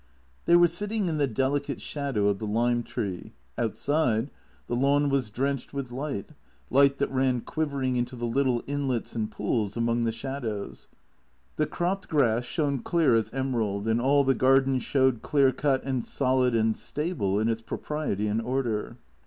They were sitting in the delicate shadow of the lime tree. Outside, the lawn was drenched with light, liglit tliat ran quiv ering into the little inlets and pools among the shadows. The cropped grass shone clear as emerald, and all the garden showed clear cut and solid and stable in its propriety and order.